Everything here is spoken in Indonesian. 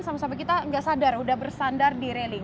sama sama kita nggak sadar udah bersandar di railing